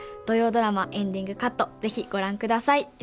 土曜ドラマ「エンディングカット」是非ご覧ください。